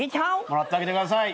もらってあげてください。